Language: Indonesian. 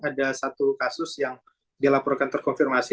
ada satu kasus yang dilaporkan terkonfirmasi